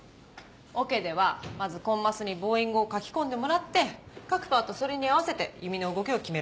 オケではまずコンマスにボウイングを書き込んでもらって各パートそれに合わせて弓の動きを決めるの。